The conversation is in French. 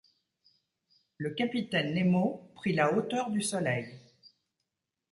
Le capitaine Nemo prit la hauteur du soleil.